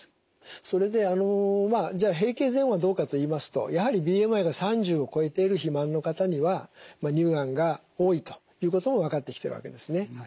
それで閉経前はどうかと言いますとやはりＢＭＩが３０を超えている肥満の方には乳がんが多いということも分かってきてるわけですね。